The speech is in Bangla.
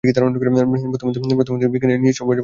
প্রথমত প্রত্যেক বিজ্ঞানেরই নিজস্ব পর্যবেক্ষণ-প্রণালী আছে।